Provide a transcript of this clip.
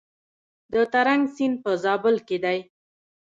د ترنک سیند په زابل کې دی